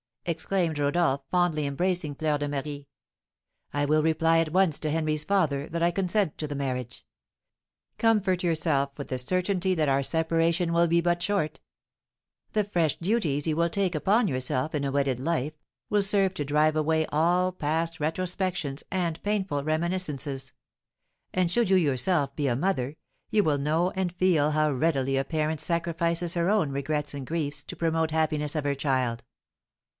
exclaimed Rodolph, fondly embracing Fleur de Marie. "I will reply at once to Henry's father that I consent to the marriage. Comfort yourself with the certainty that our separation will be but short; the fresh duties you will take upon yourself in a wedded life will serve to drive away all past retrospections and painful reminiscences; and should you yourself be a mother, you will know and feel how readily a parent sacrifices her own regrets and griefs to promote the happiness of her child."